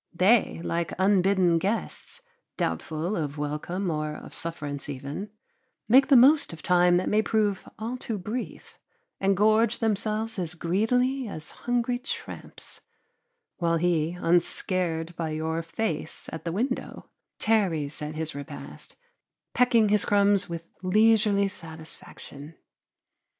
They, like unbidden guests, doubtful of welcome or of sufferance even, make the most of time that may prove all too brief, and gorge themselves as greedily as hungry tramps; while he, unscared by your face at the window, tarries at his repast, pecking his crumbs with leisurely satisfaction.